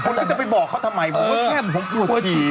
คนก็จะไปบอกเขาทำไมที่ผมบอกฉี